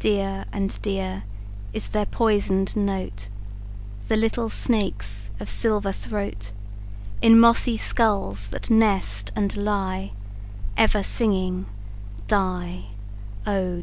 Dear and dear is their poisoned note, The little snakes' of silver throat, In mossy skulls that nest and lie, Ever singing "die, oh!